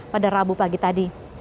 pada rabu pagi tadi